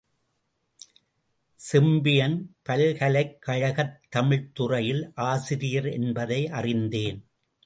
செம்பியன், பல்கலைக் கழகத் தமிழ்த் துறையில் ஆசிரியர் என்பதை அறிந்தேன்.